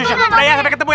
udah ya sampai ketemu ya